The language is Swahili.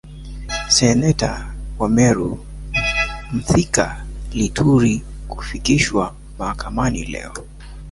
Seneta wa Meru Mithika Linturi kufikishwa mahakamani leo